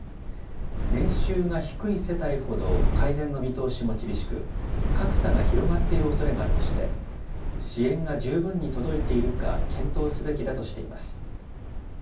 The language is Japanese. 年収が低い世帯ほど、改善の見通しも厳しく、格差が広がっているおそれがあるとして、支援が十分に届いているか、検討すべきだとしています。